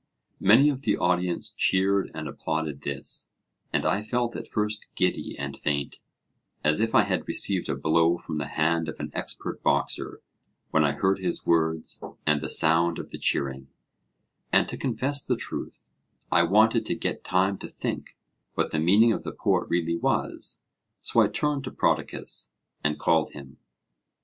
Many of the audience cheered and applauded this. And I felt at first giddy and faint, as if I had received a blow from the hand of an expert boxer, when I heard his words and the sound of the cheering; and to confess the truth, I wanted to get time to think what the meaning of the poet really was. So I turned to Prodicus and called him.